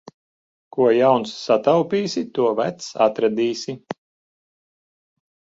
Ko jauns sataupīsi, to vecs atradīsi.